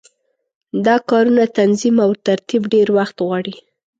دا کارونه تنظیم او ترتیب ډېر وخت غواړي.